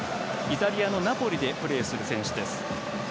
イタリアのナポリでプレーする選手です。